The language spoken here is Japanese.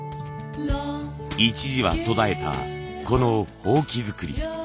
一時は途絶えたこの箒作り。